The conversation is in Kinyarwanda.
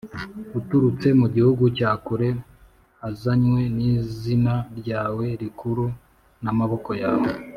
aturutse mu gihugu cya kure, azanywe n’izina ryawe rikuru, n’amaboko yawe